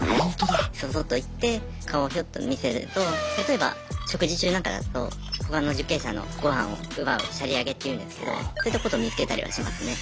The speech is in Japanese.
そそっと行って顔ひょっと見せると例えば食事中なんかだと他の受刑者のごはんを奪うシャリあげっていうんですけどそういったことを見つけたりはしますね。